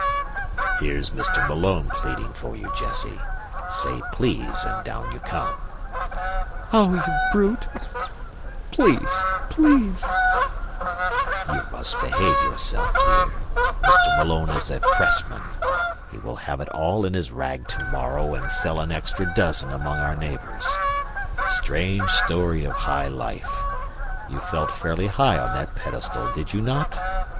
"Here's Mr. Malone pleading for you, Jessie. Say 'please,' and down you come." "Oh, you brute! Please! please!" He took her down as if she had been a canary. "You must behave yourself, dear. Mr. Malone is a Pressman. He will have it all in his rag to morrow, and sell an extra dozen among our neighbors. 'Strange story of high life' you felt fairly high on that pedestal, did you not?